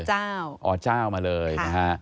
อเจ้าอเจ้ามาเลย